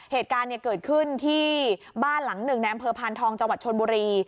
เหตุการณ์เกิดขึ้นที่บ้านหลังหนึ่งในอำเภอพานทองจังหวัดชนบุรี